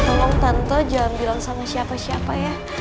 tolong tante jangan bilang sama siapa siapa ya